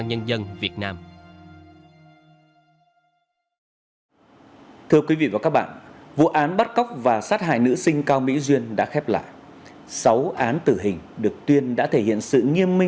hàng trăm năm